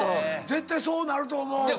絶対そうなると思う。